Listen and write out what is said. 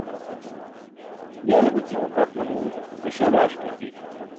Ya le gucimo phat manum, ho śuwa baaṣ ke api.